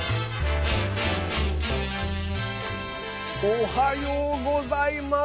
おはようございます。